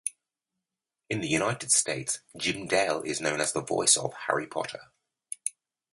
In the United States, Jim Dale is known as the "voice" of Harry Potter.